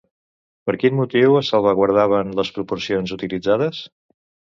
Per quin motiu es salvaguardaven les proporcions utilitzades?